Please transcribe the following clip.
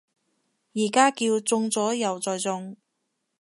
而家叫中咗右再中